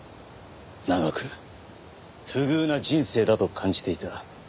長く不遇な人生だと感じていた。